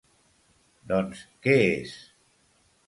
Doncs què és?